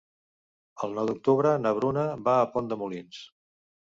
El nou d'octubre na Bruna va a Pont de Molins.